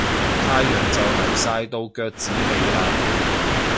太陽就嚟晒到落腳子尾喇